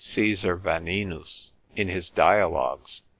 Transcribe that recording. Caesar Vanninus, in his Dialogues, &c.